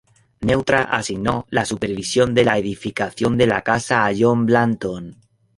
Neutra asignó la supervisión de la edificación de la casa a John Blanton.